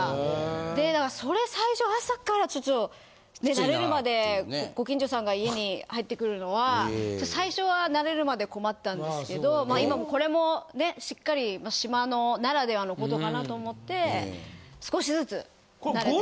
慣れるまでご近所さんが家に入ってくるのは最初は慣れるまで困ってたんですけどこれもしっかり島のならではの事かなと思って少しずつ慣れて。